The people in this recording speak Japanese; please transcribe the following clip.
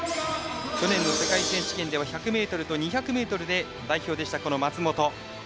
去年の世界選手権では１００ｍと２００ｍで代表でした、松元。